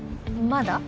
まだ？